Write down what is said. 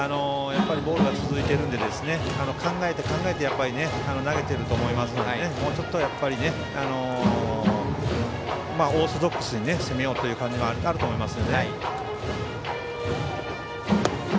ボールが続いているので考えて、考えて投げていると思いますのでもうちょっとオーソドックスに攻めようという感じもあると思います。